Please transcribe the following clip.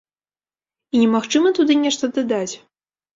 І немагчыма туды нешта дадаць.